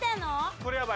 これやばい！